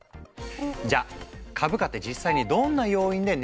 じゃ株価って実際にどんな要因で値動きしているの？